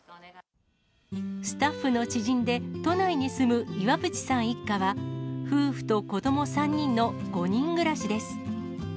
スタッフの知人で、都内に住む岩渕さん一家は、夫婦と子ども３人の５人暮らしです。